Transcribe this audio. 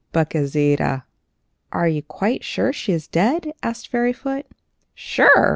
But Gauzita " "Are you quite sure she is dead?" asked Fairyfoot. "Sure!"